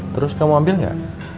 terus kamu ambil gak